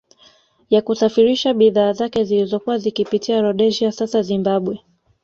Ya kusafirisha bidhaa zake zilizokuwa zikipitia Rhodesia sasa Zimbabwe